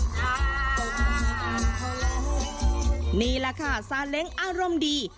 นี่แหละค่ะซาเล้งอารมณ์ดี